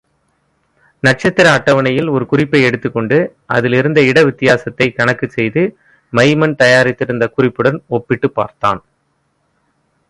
நட்சத்திர அட்டவணையில் ஒரு குறிப்பை எடுத்துக்கொண்டு, அதிலிருந்த இட வித்தியாசத்தைக் கணக்குச்செய்து, மைமன் தயாரித்திருந்த குறிப்புடன் ஒப்பிட்டுப் பார்த்தான்.